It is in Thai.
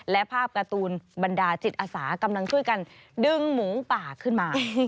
และภาพการ์ตูนบรรดาจิตอาสากำลังช่วยกันดึงหมูป่าขึ้นมา